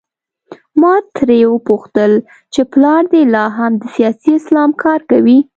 ما ترې وپوښتل چې پلار دې لا هم د سیاسي اسلام کار کوي؟